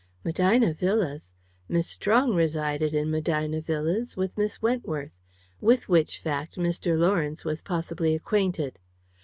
Medina Villas? Miss Strong resided in Medina Villas, and Miss Wentworth; with which fact Mr. Lawrence was possibly acquainted.